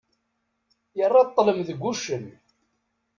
Yerra ṭṭlem deg uccen.